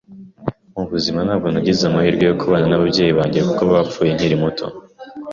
Mu buzima ntabwo nagize amahirwe yo kubana n’ababyeyi banjye kuko bapfuye nkiri muto